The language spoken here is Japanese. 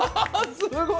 すごい！